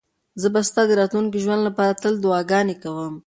زه به ستا د راتلونکي ژوند لپاره تل دعاګانې کوم.